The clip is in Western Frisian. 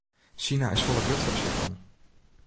Sina is folle grutter as Japan.